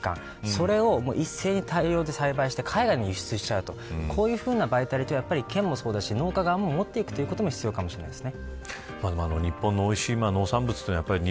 それを一斉に大量に栽培して海外に輸出しちゃうとこういうバイタリティーもそうだし県がもっていくことが必要かもしれません。